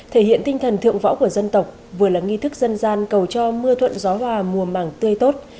thể hiện tinh thần thượng võ của dân tộc vừa là nghi thức dân gian cầu cho mưa thuận gió hòa mùa màng tươi tốt